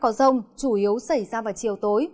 có rông chủ yếu xảy ra vào chiều tối